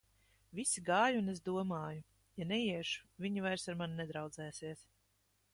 Visi gāja, un es domāju: ja neiešu, viņi vairs ar mani nedraudzēsies.